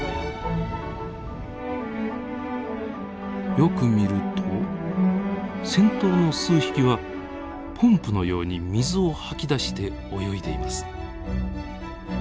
よく見ると先頭の数匹はポンプのように水を吐き出して泳いでいます。